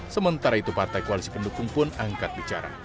sementara itu partai koalisi pendukung pun angkat bicara